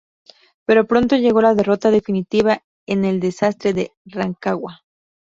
Pero pronto llegó la derrota definitiva en el desastre de Rancagua.